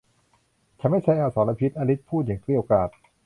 ฉันไม่ใช่อสรพิษ อลิซพูดอย่างเกรี้ยวกราด